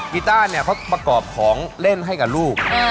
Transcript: กีต้าเนี่ยเขาประกอบของเล่นให้กับลูก